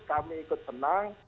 kami ikut senang